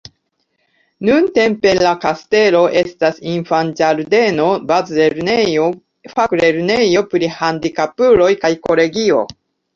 Nuntempe la kastelo estas infanĝardeno, bazlernejo, faklernejo pri handikapuloj kaj kolegio.